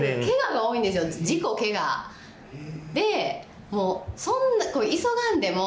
事故怪我。でもうそんな急がんでも。